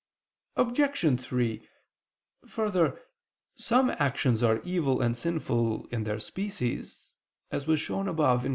Obj. 3: Further, some actions are evil and sinful in their species, as was shown above (Q.